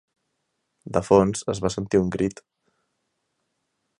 De fons, es va sentir un crit.